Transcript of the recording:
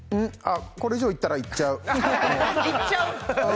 これ以上いったらいっちゃういっちゃう？